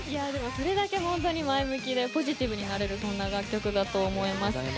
それだけ前向きでポジティブになれる楽曲だと思います。